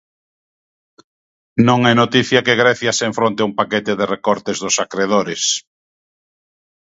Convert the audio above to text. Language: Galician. Non é noticia que Grecia se enfronte a un paquete de recortes dos acredores.